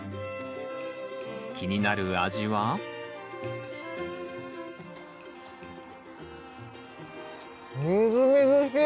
気になる味はみずみずしい！